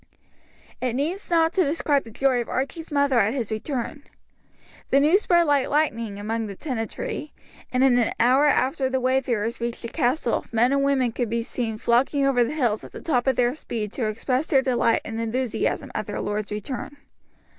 It needs not to describe the joy of Archie's mother at his return. The news spread like lightning among the tenantry, and in an hour after the wayfarers reached the castle men and women could be seen flocking over the hills at the top of their speed to express their delight and enthusiasm at their lord's return.